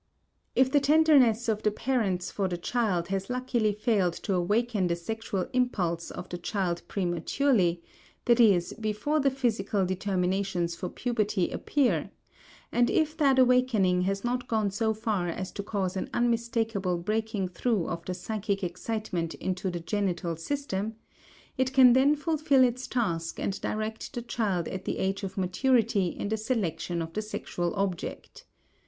* If the tenderness of the parents for the child has luckily failed to awaken the sexual impulse of the child prematurely, i.e., before the physical determinations for puberty appear, and if that awakening has not gone so far as to cause an unmistakable breaking through of the psychic excitement into the genital system, it can then fulfill its task and direct the child at the age of maturity in the selection of the sexual object.